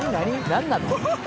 何なの？